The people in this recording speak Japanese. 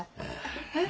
えっ？